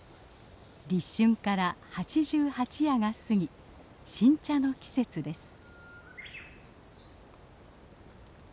立春から八十八夜が過ぎ新茶の季節です。